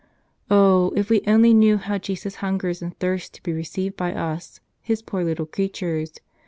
Oh, if we only knew how Jesus hungers and thirsts to be received by us, His poor little creatures!